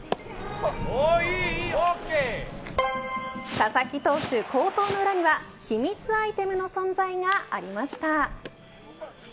佐々木投手、好投の裏には秘密アイテムの存在がありました。